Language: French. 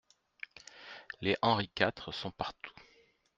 Les Henri quatre sont partout.